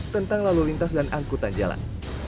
tentang lalu lintas dan angkutan jalan